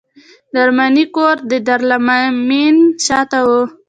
د ارماني کور د دارالمعلمین شاته و.